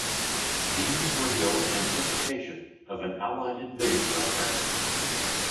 These were built in anticipation of an Allied invasion of France.